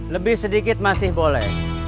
lebih sedikit masih boleh